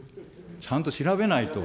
ちゃんと調べないと。